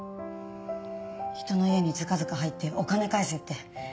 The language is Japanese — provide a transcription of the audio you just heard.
人の家にずかずか入ってお金返せって。